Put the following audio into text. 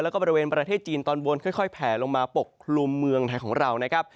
แล้วก็บริเวณประเทศจีนตอนบนค่อยแผลลงมาปกคลุมเมืองไทยของเรานะครับ